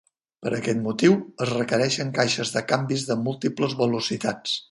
Per aquest motiu, es requereixen caixes de canvis de múltiples velocitats.